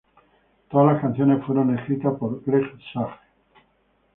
Todas las canciones fueron escritas por Greg Sage.